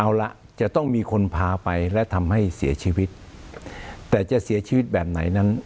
เอาละจะต้องมีคนพาไปและทำให้เสียชีวิตแต่จะเสียชีวิตแบบไหนนั้น